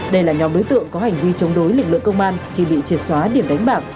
đây là nhóm đối tượng có hành vi chống đối lực lượng công an khi bị triệt xóa điểm đánh bạc